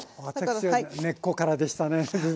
私は根っこからでしたねずっと。